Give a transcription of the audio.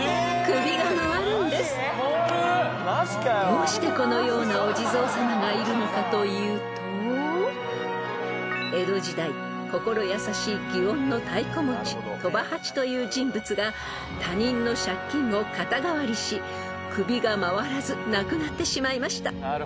［どうしてこのようなお地蔵さまがいるのかというと江戸時代心優しい祇園のたいこ持ち鳥羽八という人物が他人の借金を肩代わりし首が回らず亡くなってしまいました］